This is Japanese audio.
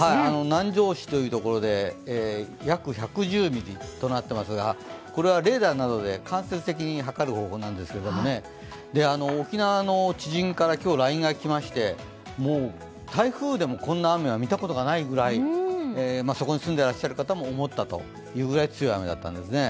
南城市というところで約１１０ミリとなっていますがこれはレーダーなどで間接的にはかる方法なんですが沖縄の知人から今日ＬＩＮＥがきましてもう台風でもこんな雨は見たことがないぐらいそこに住んでいらっしゃる方も思ったというぐらい強い雨だったんですね。